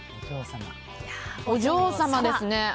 お嬢様ですね。